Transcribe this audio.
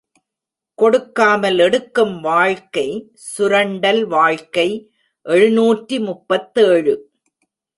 கொடுக்காமல் எடுக்கும் வாழ்க்கை சுரண்டல் வாழ்க்கை எழுநூற்று முப்பத்தேழு.